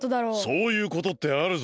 そういうことってあるぞ。